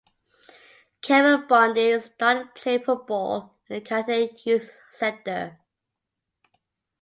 Kevin Biondi started playing football in the Catania youth sector.